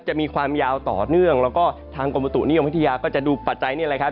จะมีความยาวต่อเนื่องแล้วก็ทางกรมบุตุนิยมวิทยาก็จะดูปัจจัยนี่แหละครับ